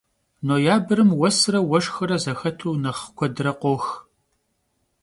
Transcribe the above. Noyabrım vuesre vueşşxre zexetu nexh kuedre khox.